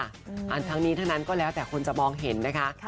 ทั้งนี้ทั้งนั้นก็แล้วแต่คนจะมองเห็นนะคะ